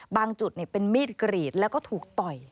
จุดเป็นมีดกรีดแล้วก็ถูกต่อย